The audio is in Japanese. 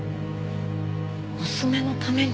娘のために？